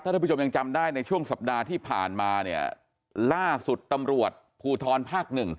ท่านผู้ชมยังจำได้ในช่วงสัปดาห์ที่ผ่านมาเนี่ยล่าสุดตำรวจภูทรภาคหนึ่ง